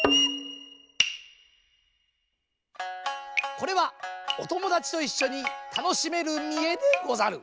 これはおともだちといっしょにたのしめる見得でござる。